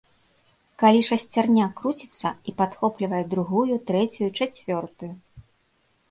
Калі шасцярня круціцца і падхоплівае другую, трэцюю, чацвёртую.